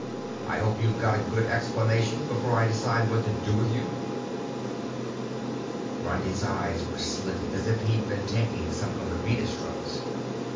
"I hope you've got a good explanation, before I decide what to do with you." Grundy's eyes were slitted, as if he'd been taking some of the Venus drugs.